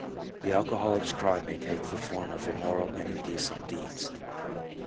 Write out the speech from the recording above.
The alcoholic's crime may take the form of immoral and indecent deeds.